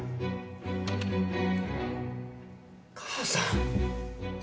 母さん。